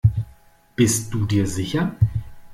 Bist du dir sicher?